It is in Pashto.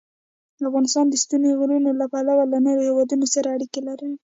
افغانستان د ستوني غرونه له پلوه له نورو هېوادونو سره اړیکې لري.